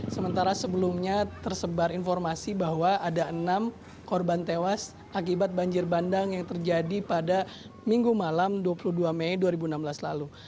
sementara sebelumnya tersebar informasi bahwa ada enam korban tewas akibat banjir bandang yang terjadi pada minggu malam dua puluh dua mei dua ribu enam belas lalu